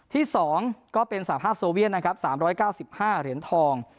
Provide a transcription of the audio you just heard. ที่๒ก็เป็นสภาพโซเวียนนะครับ๓๙๕เหรียญทอง